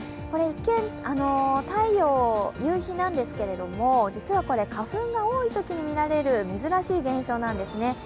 これ、一見、夕日なんですけれども実はこれ、花粉が多いときに見られる珍しい現象なんですね。